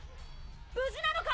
無事なのか？